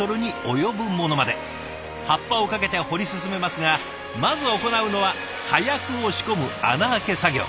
発破をかけて掘り進めますがまず行うのは火薬を仕込む穴開け作業。